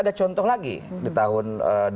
ada contoh lagi di tahun dua ribu dua